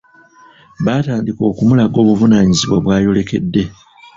Batandika okumulaga obuvunaanyizibwa bwayolekede.